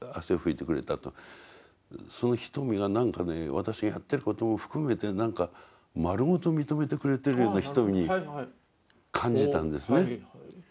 私がやってることも含めて何か丸ごと認めてくれてるような瞳に感じたんですね。